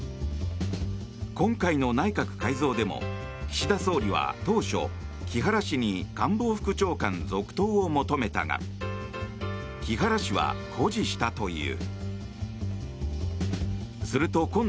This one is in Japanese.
今回の内閣改造でも岸田総理は当初、木原氏に官房副長官続投を求めたが木原氏は固辞したという。